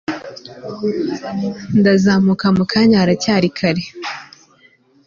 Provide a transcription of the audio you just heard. Ndazamuka mukanya haracyaei kare